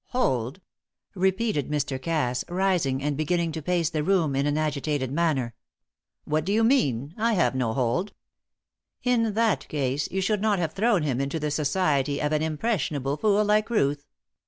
"Hold!" repeated Mr. Cass, rising and beginning to pace the room in an agitated manner. "What do you mean? I have no hold." "In that case you should not have thrown him into the society of an impressionable fool like Ruth.